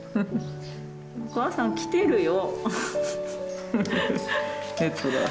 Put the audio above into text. お母さん来てるよ。